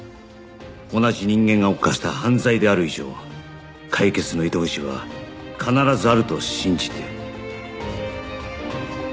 同じ人間が犯した犯罪である以上解決の糸口は必ずあると信じて